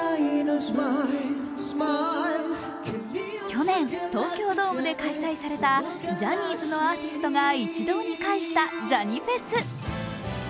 去年東京ドームで開催されたジャニーズのアーティストが一堂に会したジャニフェス。